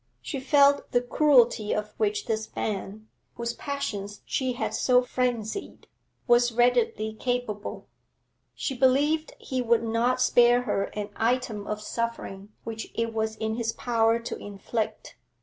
She felt the cruelty of which this man, whose passions she had so frenzied, was readily capable. She believed he would not spare her an item of suffering which it was in his power to inflict.